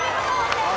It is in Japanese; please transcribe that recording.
正解。